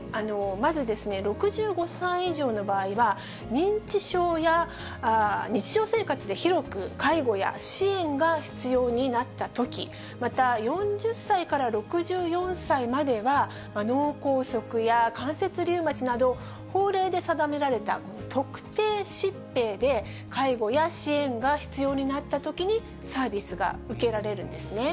まず６５歳以上の場合は、認知症や日常生活で広く介護や支援が必要になったとき、また４０歳から６４歳までは、脳梗塞や関節リウマチなど、法令で定められたこの特定疾病で介護や支援が必要になったときに、サービスが受けられるんですね。